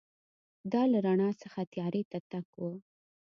دا له رڼا څخه تیارې ته تګ و.